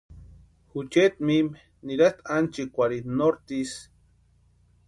Juchiti mime nirasti anchikwarhini norte isï.